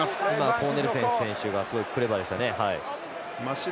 コーネルセン選手がクレバーでしたね。